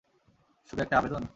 শুধু একটা আবেদন?